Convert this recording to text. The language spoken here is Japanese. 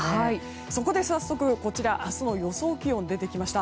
そこで早速、明日の予想気温出てきました。